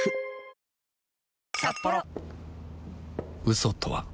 嘘とは